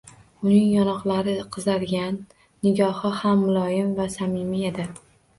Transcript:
Uning yonoqlari qizargan, nigohi ham muloyim va samimiy edi